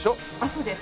そうです。